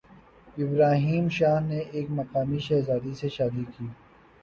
ابراہیم شاہ نے ایک مقامی شہزادی سے شادی کی